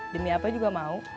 demi apa juga mau